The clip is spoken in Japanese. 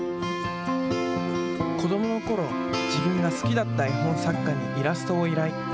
子どものころ自分が好きだった絵本作家にイラストを依頼。